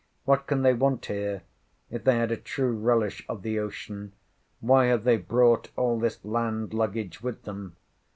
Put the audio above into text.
What can they want here? if they had a true relish of the ocean, why have they brought all this land luggage with them?